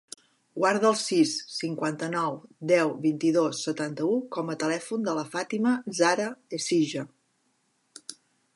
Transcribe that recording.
Guarda el sis, cinquanta-nou, deu, vint-i-dos, setanta-u com a telèfon de la Fàtima zahra Ecija.